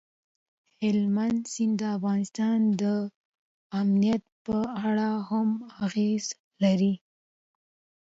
هلمند سیند د افغانستان د امنیت په اړه هم اغېز لري.